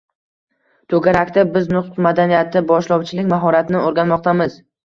To‘garakda biz nutq madaniyati, boshlovchilik mahoratini o‘rganmoqdamiz